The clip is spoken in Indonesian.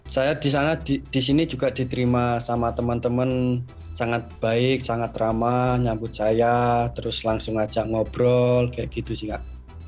saya di sini juga diterima sama teman teman sangat baik sangat ramah nyambut saya terus langsung ajak ngobrol kayak gitu sih kak